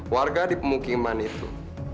warga di pemukiman itu